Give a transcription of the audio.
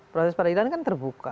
proses peradilan kan terbuka